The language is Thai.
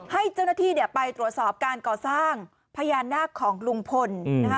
ให้เจ้าหน้าที่ไปตรวจสอบการก่อสร้างพญานาคของลุงพลนะคะ